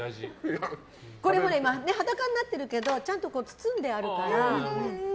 これもね、今は裸になってるけどちゃんと包んであるから。